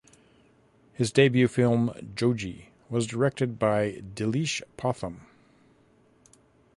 His debut film ‘Joji’ was directed by Dileesh Pothan.